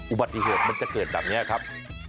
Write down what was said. อุบัติเหตุมันจะเกิดแบบนี้ครับ